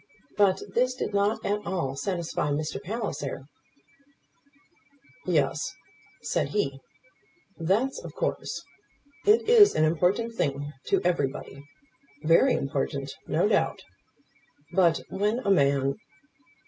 But this did not at all satisfy Mr. Palliser. "Yes," said he. "That's of course. It is an important thing to everybody; very important, no doubt. But, when a man